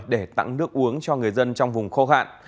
để tặng nước uống cho người dân trong vùng khô hạn